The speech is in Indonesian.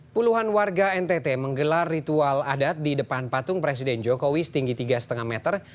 puluhan warga ntt menggelar ritual adat di depan patung presiden jokowi setinggi tiga lima meter